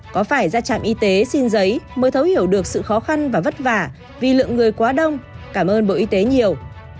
có phải ra trạm y tế xin giấy mới thấu hiểu được sự khó khăn và vất vả vì lượng người quá đông cảm ơn bộ y tế nhiều